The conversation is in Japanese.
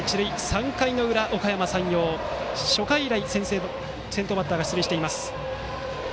３回の裏のおかやま山陽、初回以来先頭バッターが出塁しています。